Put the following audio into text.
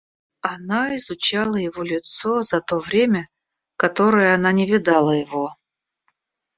Она изучала его лицо за то время, которое она не видала его.